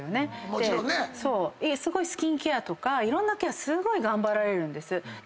スキンケアとかいろんなケアすごい頑張られるんです。